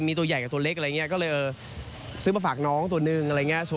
มีตัวใหญ่กับตัวเล็กอะไรอย่างนี้ก็เลยเออซื้อมาฝากน้องตัวนึงอะไรอย่างนี้